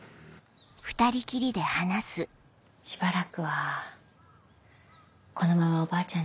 しばらくはこのままおばあちゃん